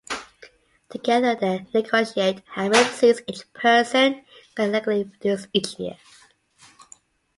Together they negotiate how many seeds each person can legally produce each year.